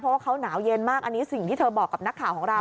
เพราะว่าเขาหนาวเย็นมากอันนี้สิ่งที่เธอบอกกับนักข่าวของเรา